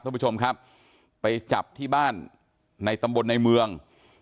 ท่านผู้ชมครับไปจับที่บ้านในตำบลในเมือง